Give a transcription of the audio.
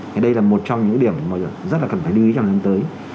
thế đây là một trong những điểm mà rất là cần phải lưu ý trong tháng tới